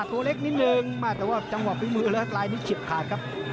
ตัวเล็กนิดนึงแต่ว่าจังหวังพิมพ์มือแล้วลายนี้ชิบขาดครับ